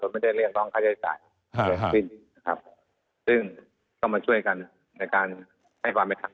ผมไม่ได้เรียกต้องค่าใช้จ่ายครับซึ่งต้องมาช่วยกันในการให้ความแม่งทำ